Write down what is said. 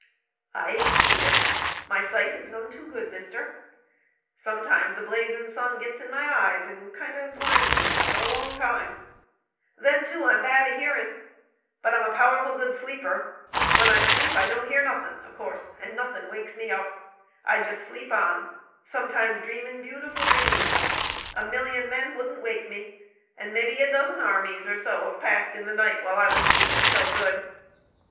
"I ain't seed it. My sight's none too good, mister. Sometimes the blazin' sun gits in my eyes and kinder blinds me for a long time. Then, too, I'm bad of hearin'; but I'm a powerful good sleeper. When I sleep I don't hear nothin', of course, an' nothin' wakes me up. I just sleep on, sometimes dreamin' beautiful dreams. A million men wouldn't wake me, an' mebbe a dozen armies or so have passed in the night while I was sleepin' so good.